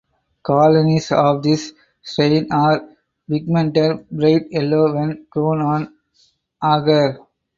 Colonies of this strain are pigmented bright yellow when grown on agar.